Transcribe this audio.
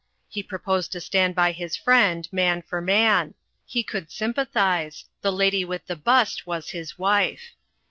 He proposed to stand by his friend, man for man. He could sympathise. The Lady with the Bust was his wife.